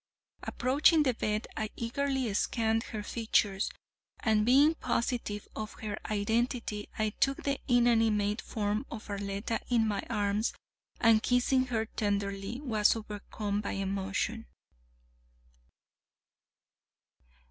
Approaching the bed I eagerly scanned her features, and being positive of her identity I took the inanimate form of Arletta in my arms and kissing her tenderly, was overcome by emotion.